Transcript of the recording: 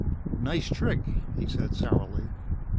"Nice trick," he said sourly.